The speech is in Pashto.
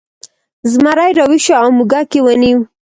زمری راویښ شو او موږک یې ونیو.